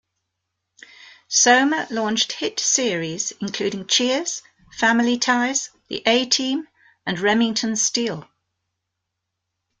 Sohmer launched hit series including "Cheers", "Family Ties", "The A-Team" and "Remington Steele".